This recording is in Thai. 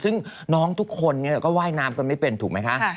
ซึ่งน้องทุกคนก็ว่ายน้ำกันไม่เป็นถูกไหมคะ